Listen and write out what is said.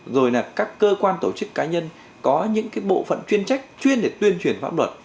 rồi là các cơ quan tổ chức cá nhân có những bộ phận chuyên trách chuyên để tuyên truyền pháp luật